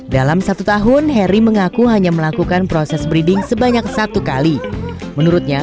dalam satu tahun heri mengaku hanya melakukan proses breeding sebanyak satu kali menurutnya